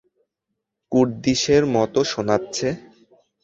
কুর্দিশের মত শোনাচ্ছে।